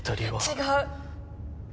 違う！